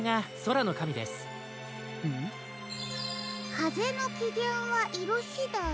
「かぜのきげんはいろしだい」。